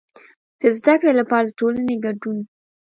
د زده کړې لپاره د ټولنې کډون.